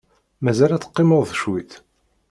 Mazal ad teqqimeḍ cwiṭ?